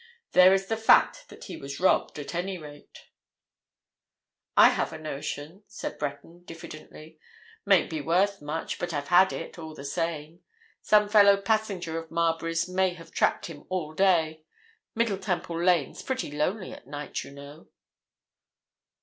There is the fact that he was robbed, at any rate." "I've had a notion," said Breton, diffidently. "Mayn't be worth much, but I've had it, all the same. Some fellow passenger of Marbury's may have tracked him all day—Middle Temple Lane's pretty lonely at night, you know."